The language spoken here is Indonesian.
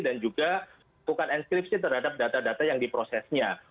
dan juga bukan enkripsi terhadap data data yang diperlindungi